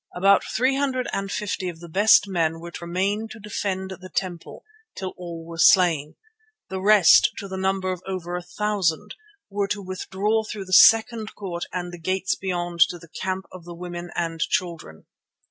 About three hundred and fifty of the best men were to remain to defend the temple till all were slain. The rest, to the number of over a thousand, were to withdraw through the second court and the gates beyond to the camp of the women and children.